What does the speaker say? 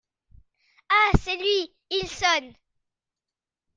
Ah ! c’est lui… il sonne…